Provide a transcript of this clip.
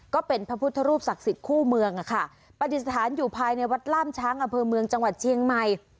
ก็เป็นพระพุทธรูปศักดิ์สิทธิ์คู่เมืองอะค่ะปฏิสถานอยู่ภายในวัดล่ามช้างอำเภอเมืองจังหวัดเชียงใหม่